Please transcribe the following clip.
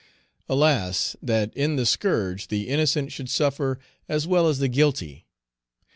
Alas! that in the scourge the innocent should suffer as well as the guilty.